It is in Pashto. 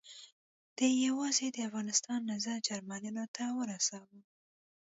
ده یوازې د افغانستان نظر جرمنیانو ته ورساوه.